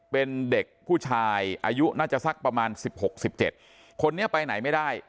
เป็นเด็กผู้ชายอายุน่าจะสักประมาณ๑๖๑๗คนนี้ไปไหนไม่ได้